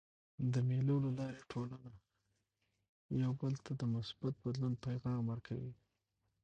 د مېلو له لاري ټولنه یو بل ته د مثبت بدلون پیغام ورکوي.